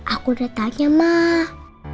aku udah tanya mah